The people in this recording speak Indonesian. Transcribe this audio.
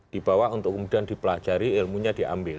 dibawa untuk kemudian dipelajari ilmunya diambil